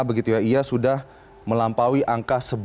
begitu ya sudah melampaui angka sebelas